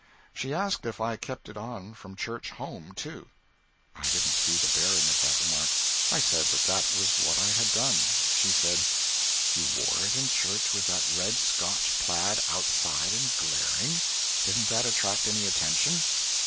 She asked if I kept it on from church home, too. I didn't see the bearing of that remark. I said that that was what I had done. She said, "You wore it in church with that red Scotch plaid outside and glaring? Didn't that attract any attention?"